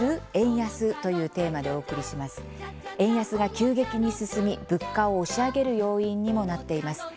円安が急激に進み、物価を押し上げる要因にもなっています。